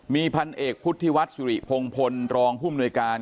มีพันเอกพุทธิวัฒน์สุริพงพลรองผู้มนวยการ